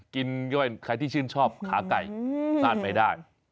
กินกับใครที่ชื่นชอบขาไก่สร้างไปได้